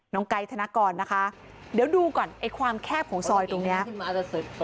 น้องไกรธนากรนะคะเดี๋ยวดูก่อนความแคบของซอยตรงเนี้ย